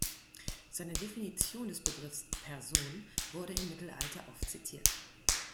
Seine Definition des Begriffs „Person“ wurde im Mittelalter oft zitiert.